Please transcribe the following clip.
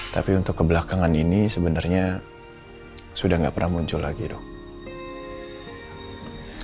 tapi untuk kebelakangan ini sebenarnya sudah tidak pernah muncul lagi dong